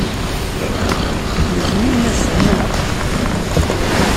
D letniyen ass-a, naɣ?